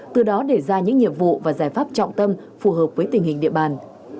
từ đó để ra những nhiệm vụ và giải pháp trọng tâm phù hợp với tình hình địa bàn